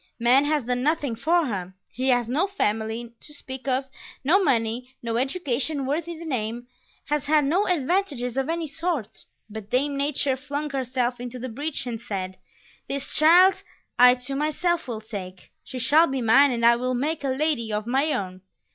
Man has done nothing for her; she has no family to speak of, no money, no education worthy the name, has had no advantages of any sort; but Dame Nature flung herself into the breach and said: "This child I to myself will take; She shall be mine and I will make A Lady of my own."